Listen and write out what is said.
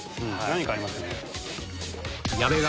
何かありますよね。